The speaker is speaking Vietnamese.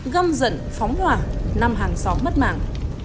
găm dẫn phóng hỏa năm hàng xóm mất mạng